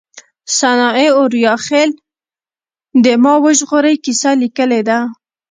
سناء اوریاخيل د ما وژغورئ کيسه ليکلې ده